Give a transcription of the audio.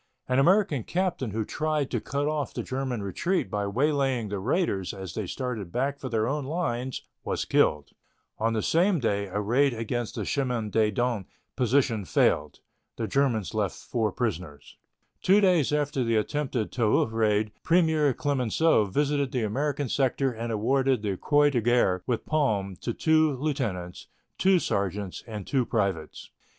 An American captain who tried to cut off the German retreat by waylaying the raiders as they started back for their own lines was killed. On the same day a raid against the Chemin des Dames position failed. The Germans left four prisoners. Two days after the attempted Toul raid Premier Clemenceau visited the American sector and awarded the Croix de Guerre with palm to two lieutenants, two sergeants, and two privates.